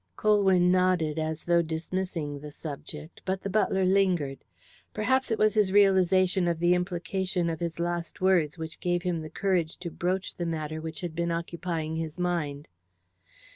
Colwyn nodded as though dismissing the subject, but the butler lingered. Perhaps it was his realization of the implication of his last words which gave him the courage to broach the matter which had been occupying his mind.